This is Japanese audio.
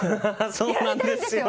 そうなんです。